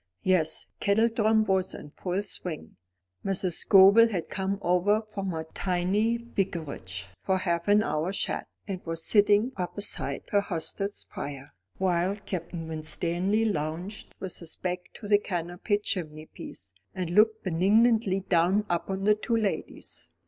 '" Yes, kettledrum was in full swing. Mrs. Scobel had come over from her tiny Vicarage for half an hour's chat, and was sitting opposite her hostess's fire, while Captain Winstanley lounged with his back to the canopied chimneypiece, and looked benignantly down upon the two ladies.